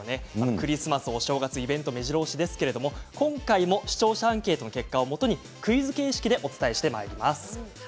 クリスマス、お正月イベントがめじろ押しですけれど今回も視聴者アンケートの結果をもとにクイズ形式でお伝えしてまいります。